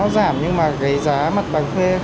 giảm nhưng mà giá mặt bằng thuê